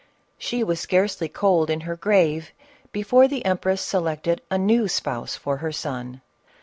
She was scarcely cold in her grave, before the em press selected a new spouse for her son.